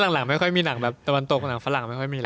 หลังไม่ค่อยมีหนังแบบตะวันตกหนังฝรั่งไม่ค่อยมีอะไร